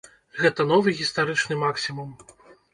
Гэта новы гістарычны максімум.